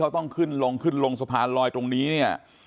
ต้องขึ้นลงขึ้นลงสะพานลอยตรงนี้เนี่ย